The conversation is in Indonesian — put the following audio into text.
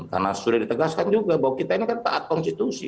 karena sudah ditegaskan juga bahwa kita ini kan takat konstitusi